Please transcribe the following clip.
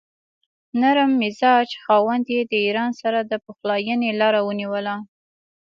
نرم مزاج خاوند یې د ایران سره د پخلاینې لاره ونیوله.